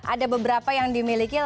ada beberapa yang dimiliki